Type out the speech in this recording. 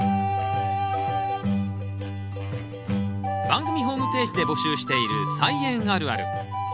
番組ホームページで募集している「菜園あるある」。